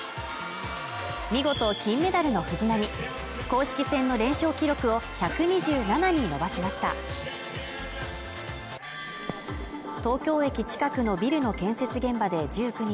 見事金メダルの藤波公式戦の連勝記録を１２７に伸ばしました東京駅近くのビルの建設現場で１９日